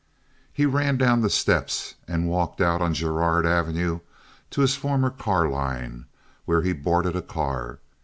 He ran down the steps and walked out on Girard Avenue to his former car line, where he boarded a car.